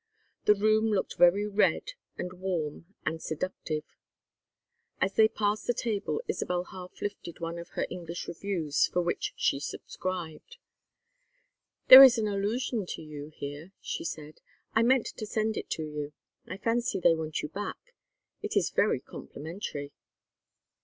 The room looked very red and warm and seductive. As they passed the table Isabel half lifted one of the English Reviews for which she subscribed. "There is an allusion to you here," she said. "I meant to send it to you. I fancy they want you back. It is very complimentary."